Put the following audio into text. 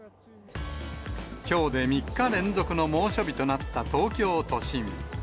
きょうで３日連続の猛暑日となった東京都心。